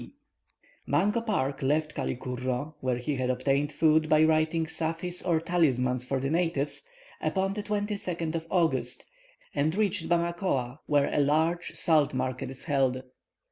Mungo Park left Koulikorro, where he had obtained food by writing saphics or talismans for the natives, upon the 21st of August, and reached Bammakoa, where a large salt market is held.